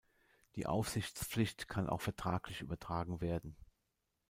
Die Aufsichtspflicht kann auch vertraglich übertragen werden.